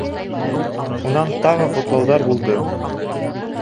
Унан тағы ҡотлауҙар булды.